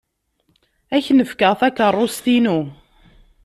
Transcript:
Ad k-n-fkeɣ takeṛṛust-inu.